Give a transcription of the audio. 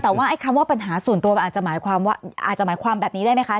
แต่ว่าคำว่าปัญหาส่วนตัวอาจจะหมายความแบบนี้ได้ไหมคะ